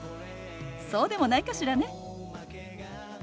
そうでもないかしらね。